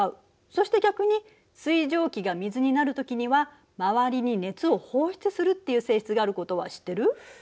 そして逆に水蒸気が水になる時には周りに熱を放出するっていう性質があることは知ってる？